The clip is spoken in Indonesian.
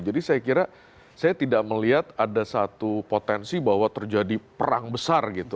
jadi saya kira saya tidak melihat ada satu potensi bahwa terjadi perang besar gitu